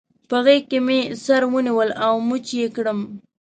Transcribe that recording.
په غېږ کې مې سره ونیول او مچ يې کړم.